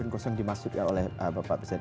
yang langsung dimasukkan oleh bapak presiden